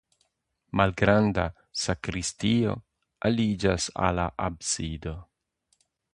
Malgranda sakristio aliĝas al la absido.